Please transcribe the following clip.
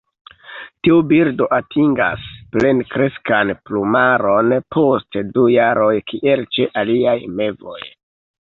Tiu birdo atingas plenkreskan plumaron post du jaroj kiel ĉe aliaj mevoj.